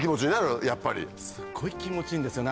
すっごい気持ちいいんですよね。